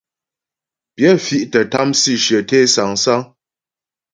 Pyə fì̀' tə́ tâm sǐshyə té sâŋsáŋ.